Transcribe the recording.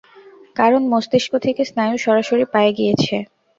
কারণ মস্তিষ্ক থেকে স্নায়ু সরাসরি পায়ে গিয়েছে।